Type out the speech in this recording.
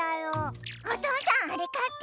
おとうさんあれかって！